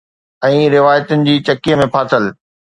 ۽ روايتن جي چکی ۾ ڦاٿل